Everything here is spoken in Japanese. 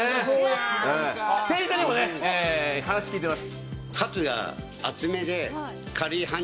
店長さんにも話を聞いています。